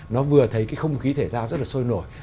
nó vừa thấy cái không khí thể thao rất là sôi nổi